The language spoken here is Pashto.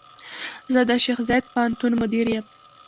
زۀ د شيخ زايد پوهنتون مدير يم.